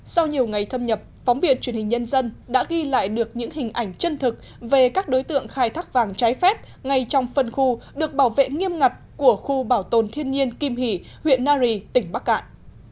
sau nhiều ngày thâm nhập phóng biệt truyền hình nhân dân đã ghi lại được những hình ảnh chân thực về các đối tượng khai thác vàng trái phép ngay trong phân khu được bảo vệ nghiêm ngặt của khu bảo tồn thiên nhiên kim hỷ huyện nari tỉnh bắc cạn